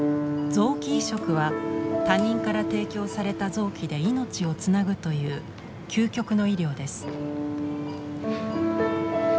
臓器移植は他人から提供された臓器で命をつなぐという究極の医療です。